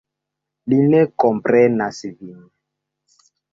Li ne komprenas vin.